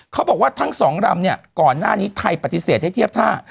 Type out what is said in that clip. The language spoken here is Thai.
เขาบอกว่าทั้งสองลำเนี่ยก่อนหน้านี้ไทยปฏิเสธให้เทียบท่า